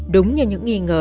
đúng như những nghi ngờ